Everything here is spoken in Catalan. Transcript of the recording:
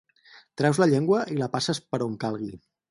Treus la llengua i la passes per on calgui.